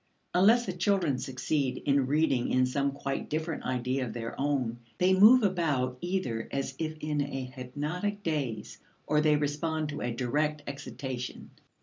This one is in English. Unless the children succeed in reading in some quite different idea of their own, they move about either as if in a hypnotic daze, or they respond to a direct excitation.